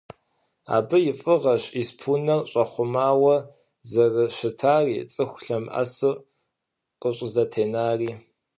Абы и фIыгъэщ испы-унэр щIэхъумауэ зэрыщытари, цIыху лъэмыIэсу къыщIызэтенари.